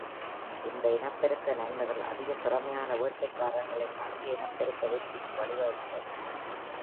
இந்த இனப்பெருக்க நன்மைகள் அதிக திறமையான வேட்டைக்காரர்களில் அதிக இனப்பெருக்க வெற்றிக்கு வழிவகுக்கிறது.